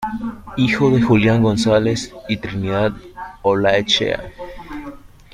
Hijo de Julián González y Trinidad Olaechea.